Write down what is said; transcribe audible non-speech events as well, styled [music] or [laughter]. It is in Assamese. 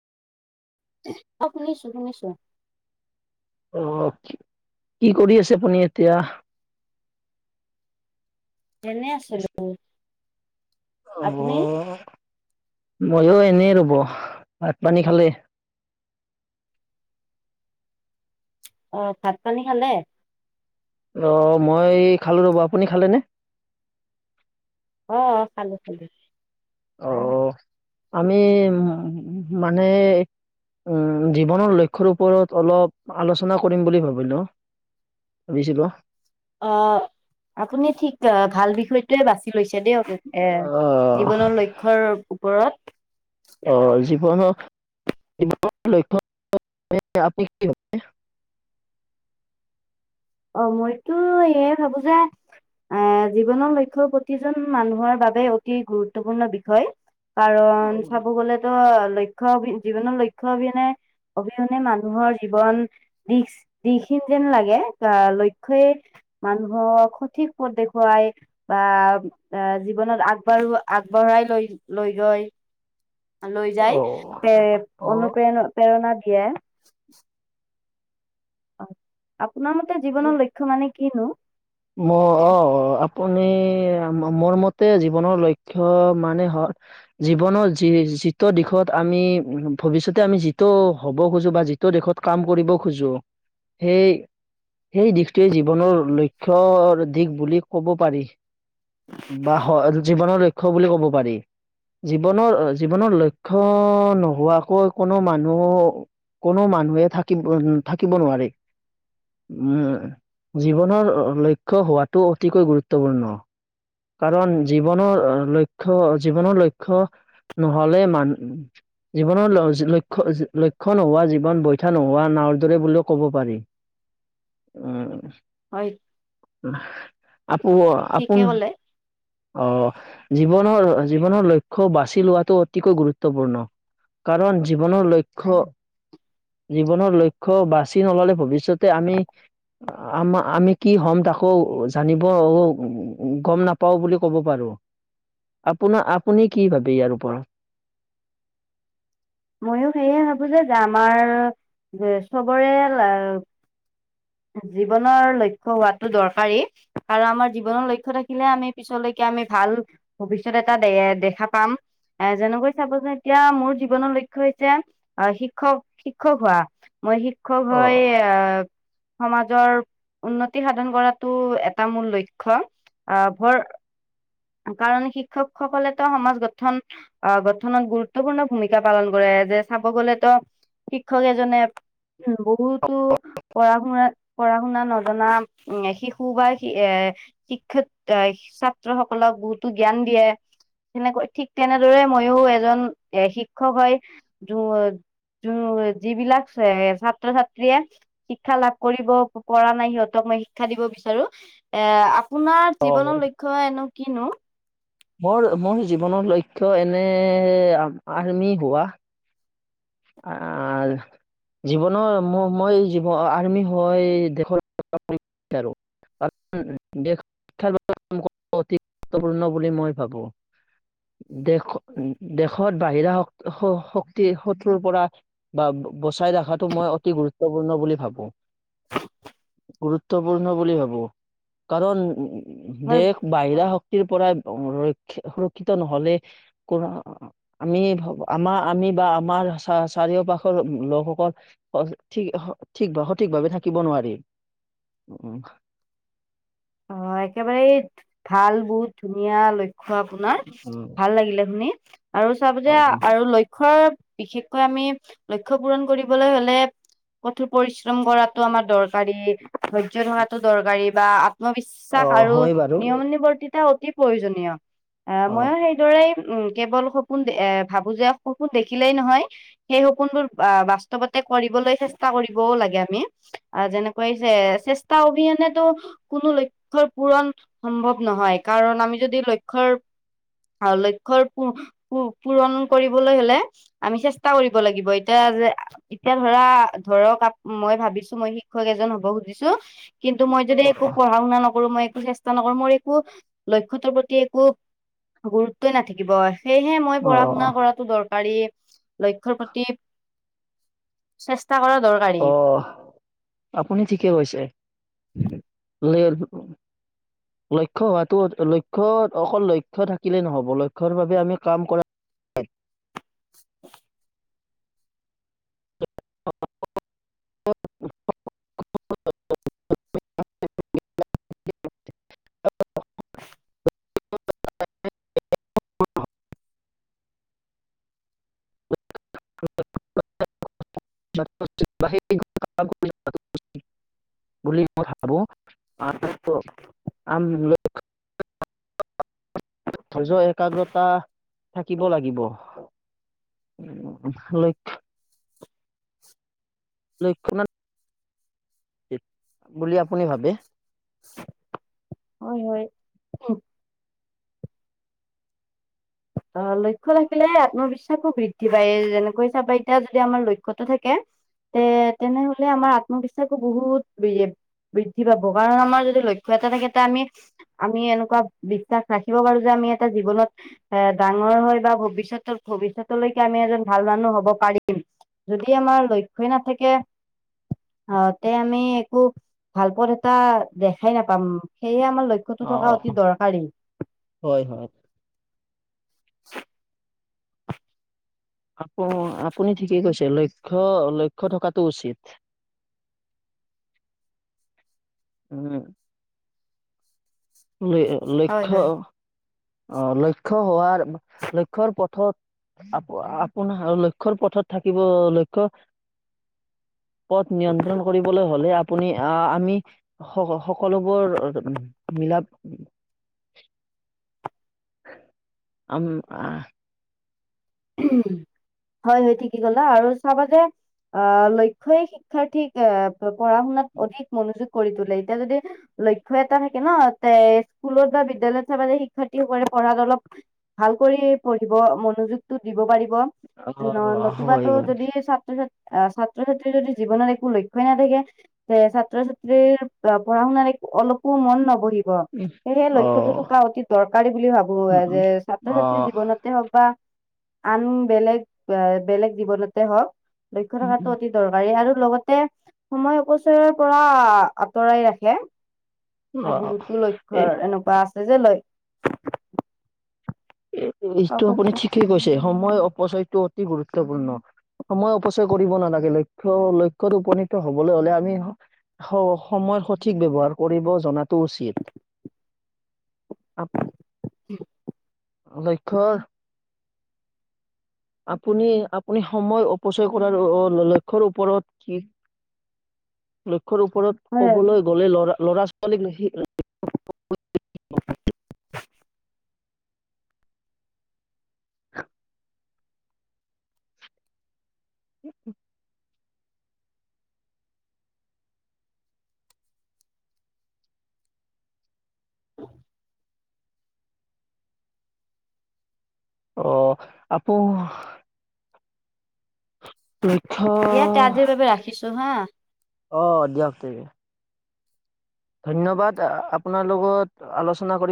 অ' শুনিছো শুনিছো। অ', কি কৰি আছে আপুনি এতিয়া? এনে আছিলোঁ। অ। মইও এনেই ৰ'বহ্‌। ভাত পানী খালে? অ' ভাত পানী খালে? অ' মই খালো ৰ'ব আপুনি খালেনে? অ' খালোঁ খালোঁ। অহ আমি উ মানে উম জীৱনৰ লক্ষ্যৰ ওপৰত অলপ আলোচনা কৰিম বুলি ভাবিলোঁ। বিছিলো। অ' আপুনি ঠিক ভাল বিষয়টোৱে বাছি লৈছে। দিয়ক এ আহ জীৱনৰ লক্ষ্যৰ ওপৰত। অ [unintelligible] [inaudible] অ' মইতো এয়ে ভাবো যে এ জীৱনৰ লক্ষ্য‌ৰ প্ৰতিজন মানুহৰ বাবে অতি গুৰুত্বপূৰ্ণ বিষয়। কাৰণ চাব গলেতো লক্ষ্য অবি জীৱনৰ লক্ষ্য অবিহনে‌ অবিহনে মানুহৰ জীৱন দিশ দিশহীন যেন লাগে। আ লক্ষ্যই মানুহক সঠিক পথ দেখুৱাই বা এ জীব ৱনত আগবাঢ়ো - আগবঢ়াই লৈ - লৈ গৈ। লৈ যায় অ প্ৰে অ - অনুপ্ৰেৰণা প্ৰেৰণা দিয়ে। আপোনাৰ মতে জীৱনৰ লক্ষ্য মানে কিনো? ম অ আপ আপুনি মোৰ - মোৰ মতে জীৱনৰ লক্ষ্য মানে হল জীৱনৰ যি যিটো দিশত আমি ভৱিষ্যতে আমি যিটো হ'ব খোজো বা যিটো দেশত কাম কৰিব খোজো সেই - সেই দিশটোৱে জীৱনৰ লই ক্ষ্যৰ দিশ বুলি ক'ব পাৰি বা হ জীৱনৰ লক্ষ্য। খ বুলি ক'ব পাৰি। জীৱনৰ জীৱনৰ লক্ষ্য নোহোৱাকৈ কোনো মানুহ কোনো মানুহে থাকিব থাকিব নোৱাৰে উম জীৱনৰ লক্ষ্য হোৱাটো অতিকৈ গুৰুত্বপূৰ্ণ। কাৰণ জীৱনৰ লক্ষ্য জীৱনৰ লক্ষ্য নহ'লে মান জীৱনৰ ল লক্ষ্য নোহোৱা জীৱন বৈথা নোহোৱা নাওৰ দৰে বুলিও ক'ব পাৰি। হয় উম আকৌ ঠিকে আপোন কলে আহ জীৱনৰ জীৱনৰ লক্ষ্য বাচি লোৱাটো অতিকৈ গুৰুত্বপূৰ্ণ। কাৰণ জীৱনৰ লক্ষ্য জীৱনৰ লক্ষ্য বাচি নললে ভৱিষ্যতে আমি আমা আমি কি হ'ম তাকো জানিব উ গম নাপাওঁ বুলি ক'ব পাৰোঁ। আপোনাৰ আপুনি কি ভাবে ইয়াৰ ওপৰত? [inaudible] ময়ো সেয়ে ভাবো যে আমাৰ চবৰে [inaudible] জীৱনৰ লক্ষ্য হোৱাটো দৰকাৰী কাৰ আমাৰ জীৱনৰ লক্ষ্য থাকিলে আমি পিছলৈকে আমি ভা- ল ভৱিষ্যত এটা দে দেখা পাম। এ যেনেকৈ চাব যে এতিয়া মোৰ জীৱনৰ ল ক্ষ্য হৈছে আহ শিক্ষক শিক্ষক হোৱা, মই শিক্ষক হৈ অ', আহ সমাজৰ উন্নতি সাধন কৰাতো এটা মূল লক্ষ্য। অ ভৰ কাৰণ শিক্ষকসকলে তো সমাজ গঠন আহ গঠনত গুৰুত্বপূৰ্ণ ভূমিকা পালন কৰে। যে চাব গলে তো শিক্ষক এজনে বহুতো পঢ়া শুনা পঢ়া শুনা নজনা শিশু বা এ শিক্ষক ছাত্ৰ সকলক বহুতো জ্ঞান দিয়ে। তেনেকৈ ঠিক তেনেদৰে মইয়ো এজন এ শিক্ষক হৈ যোন যিবিলাক ছে ছাত্ৰ ছাত্ৰীয়ে শিক্ষা লাভ কৰিব পৰা নাই সিহঁতক মই শিক্ষা দিব বিচাৰো এ আপোনাৰ অ'। জীৱনৰ লক্ষ্য এনো কিনো মোৰ মোৰ জীৱনৰ লক্ষ্য এনে আৰ্মি হোৱা। আ--ল জীৱনৰ মই জীৱ আৰ্মি হৈ দেশৰ [unintelligible] বিচাৰো শিক্ষাৰ বাবে অতি গুৰুত্বপূৰ্ণ বুলি মই ভাবো। দেশ দেশত বাহিৰা শ শক্তি টোৰ পৰা বা বচাই ৰখাটো মই অতি গুৰুত্বপূৰ্ণ বুলি ভাবো গুৰুত্বপূৰ্ণ বুলি ভাবো কাৰণ উ হয় দেশ বাহিৰা শ- টিৰ পৰাই ৰক্ষ সুৰক্ষিত নহলে কৰা আমি আমাৰ আমি বা আমাৰ চা চাৰিও পাশৰ লোকসকল ঠিক ঠিক সঠিক ভাৱে থাকিব নোৱাৰি উম অ একেবাৰে ভাল বহুত ধুনীয়া ল ক্ষ্য আপোনাৰ উম ভাল লাগিলে শুনি আৰু চাব অ যে আৰু ল লক্ষ্যৰ বিশেষকৈ আমি লক্ষ্য পূৰণ কৰিবলৈ হলে কঠোৰ পৰিশ্ৰম কৰাটো আমাৰ দৰকাৰী। ধৈৰ্য্য থকাতো দৰকাৰী বা অ আত্মবিশ্বাস আৰু হয় বাৰু নিয়ম নিয়মানুৱৰ্তিতা অতি প্ৰয়োজনীয় আহ অ মইয়ো সেইদৰেই উ কেৱল সপোন এ ভাবো যে সপোন দেখিলেই নহয় সেই সপোনবোৰ বাস্তৱতে কৰিব লৈ চেষ্টা কৰিবও লাগে আমি, যেনেকৈ চেষ্টা অবিহনেতো কোনো লক্ষ্য পূৰণ সম্ভৱ নহয় কাৰণ আমি যদি লক্ষ্যৰ লক্ষ্যৰ পুৰ পূৰণো কৰিবলৈ হলে আমি চেষ্টা কৰিব লাগিব এতিয়া যে এতিয়া ধৰা ধৰক মই ভাবিছো মই শিক্ষক এজন হব খুজিছো। কিন্তু মই অ যদি একো পঢ়া শুনা নকৰো মই চেষ্টা নকৰিলে মোৰ একো লক্ষ্যটোৰ প্ৰতি একো গুৰুত্বই নাথাকিব। সেয়েহে মই অ পঢ়া শুনা কৰাতো দৰকাৰী। লক্ষ্যৰ প্ৰতি চেষ্ট- আহ আপুনি ঠিকে কৈছে? ল লক্ষ্য হোৱাটো লক্ষ্য অকল লক্ষ্য থাকিলে নহ'ব লক্ষ্যৰ বাবে আমি কাম কৰা। হয় [unintelligible] [unintelligible] [unintelligible] বুলি মই ভাবো আৰু [unintelligible] [unintelligible] ধৈৰ্য্য একাগ্ৰতা থাকিব লাগিব। লৈ লক্ষমান বুলি আপুনি ভাবে? উ ত লক্ষ্য থাকিলে আত্মবিশ্বাসো বৃদ্ধি পায় যেনেকৈ চাবা এতিয়া যদি আমাৰ লক্ষ্যটো থাকে। তে তেনেহলে আমাৰ আত্মবিশ্বাসো বহুত বেৰিয়েপ। বৃদ্ধি পাব কাৰণ আমাৰ যদি লক্ষ্য এটা থাকে তা আমি আমি এনেকুৱা বিশ্বাস ৰাখিব পাৰো যে। আমি এটা জীৱনত। এ ডাঙৰ হয় বা ভৱিষ্যত ভৱিষ্যতলৈকে আমি এজন ভাল মানুহ হ'ব পাৰিম। যদি আমাৰ লক্ষ্যই নাথাকে। অ তে আমি একো ভাল পথ এটা দেখাই নাপাম। সেয়ে আমাৰ লক্ষ্যটো অ থকা অতি দৰকাৰী। হয় হয় [inaudible] আপ আপুনি ঠিকেই কৈছে। লক্ষ্য লক্ষ্য থকাতটো উচিত। উম ল হয় লক্ষ্য হয় আহ লক্ষ্য হোৱাৰ লক্ষ্যৰ পথত আপ আপোনাৰ লক্ষ্যৰ পথত থাকিব লক্ষ্য [inaudible] পথ নিয়ন্ত্ৰণ কৰিবলৈ হ'লে আপ আপুনি আহ আমি স সকলোবোৰ মিলা [inaudible] আম আহ হয় হয় ঠিকেই কলা আৰু চাবা যে আহ লক্ষ্যই শিক্ষাৰ্থীক এ পঢ়া শুনাত অধিক মনোযোগ কৰি তোলে এতিয়া যদি লক্ষ্য এটা থাকে ন তে স্কুলত বা বিদ্যালয়ত চাব শিক্ষাৰ্থীসকলে পঢ়াত অলপ ভাল পঢ়ি পঢ়িব মনোযোগটো দিব পাৰিব অ হয় নতুবাতো হয় যদি ছাত্ৰ ছাত্ৰী আহ ছাত্ৰ ছাত্ৰীৰ যদি জীৱনত একো লক্ষ্যই নাথাকে তে ছাত্ৰ ছাত্ৰীৰ পঢ়া শুনা এ অলপো মন নবহিব সেয়েহে অ লক্ষ্যতো থকা অতি দৰকাৰী বুলি ভাবো যে ছাত্ৰ ছাত্ৰী অ জীৱনতে হওক বা আন বেলেগ বেলেগ জীৱনতে হওক লক্ষ্য উম, থকাটো অতি দৰকাৰী আৰু লগতে সময় অপচয়ৰ পৰা আঁতৰাই ৰাখে। উম। অ', বহুতো এই লক্ষ্যৰ এনেকোৱা আছে যে ল এইটো আপুনি ঠিকেই কৈছে সময় অপচয়টো অতি গুৰুত্বপূৰ্ণ সময় অপচয় কৰিব নালাগে লক্ষ্য লক্ষ্যত উপনীত হবলৈ হলে আমি হ সময় সঠিক ব্যৱহাৰ কৰিব জনাতো উচিত। [inaudible] আকৌ লক্ষ্যৰ। আপুনি আপুনি সময় অপচয় কৰাৰ লক্ষ্যৰ ওপৰত কি লক্ষ্যৰ ওপৰত হয় কবলৈ গ'লে লৰা ল'ৰা ছোৱালীক সেই উম উম। অ' আকৌ লক্ষ্য দিয়া তে আজিৰ বাবে ৰাখিছো হা অহ দিয়ক ঠিক আছে। ধন্যবাদ আপোনাৰ লগত আলোচনা কৰি।